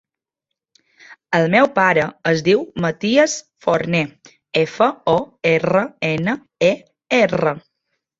El meu pare es diu Matías Forner: efa, o, erra, ena, e, erra.